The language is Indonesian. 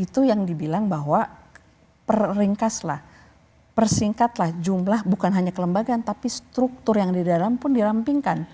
itu yang dibilang bahwa per ringkaslah persingkatlah jumlah bukan hanya kelembagaan tapi struktur yang di dalam pun dirampingkan